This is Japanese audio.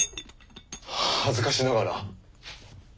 恥ずかしながら。